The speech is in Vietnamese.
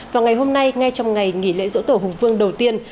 vào ngày hôm nay ngay trong ngày nghỉ lễ rỗ tổ hùng phương đầu tiên